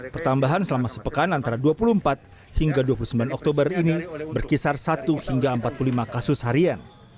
pertambahan selama sepekan antara dua puluh empat hingga dua puluh sembilan oktober ini berkisar satu hingga empat puluh lima kasus harian